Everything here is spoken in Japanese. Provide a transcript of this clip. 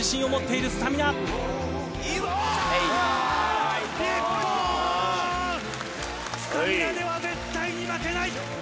スタミナでは絶対に負けない！